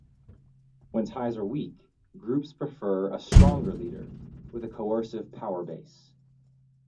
When ties are weak, groups prefer a stronger leader with a coercive power base.